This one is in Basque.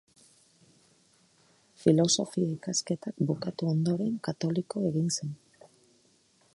Filosofia-ikasketak bukatu ondoren, katoliko egin zen.